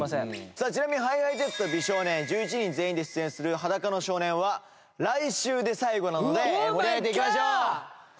さあちなみにＨｉＨｉＪｅｔｓと美少年１１人全員で出演する『裸の少年』は来週で最後なので盛り上げていきましょう！